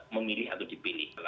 memilih atau dipilih